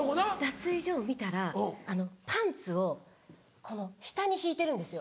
脱衣所を見たらパンツを下に敷いてるんですよ